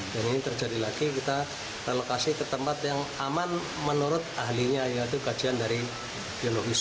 dan ini terjadi lagi kita relokasi ke tempat yang aman menurut ahlinya yaitu kajian dari biologi